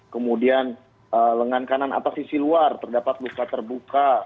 kemudian lengan kanan atau sisi luar terdapat luka terbuka